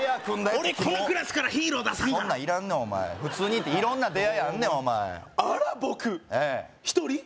俺このクラスからヒーロー出さんからそんなんいらんねんお前普通に行って色んな出会いあんねんお前あら僕１人？